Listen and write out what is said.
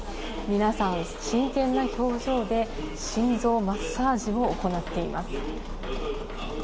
皆さん、真剣な表情で心臓マッサージを行っています。